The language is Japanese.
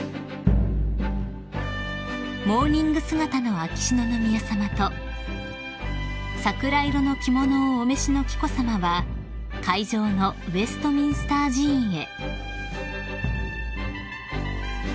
［モーニング姿の秋篠宮さまと桜色の着物をお召しの紀子さまは会場のウエストミンスター寺院へ］